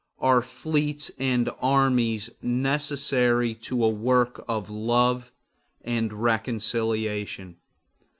Are fleets and armies necessary to a work of love and reconciliation?